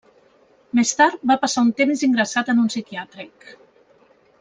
Més tard, va passar un temps ingressat en un psiquiàtric.